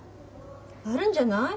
あるんじゃない？